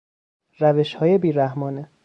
روشهای بیرحمانه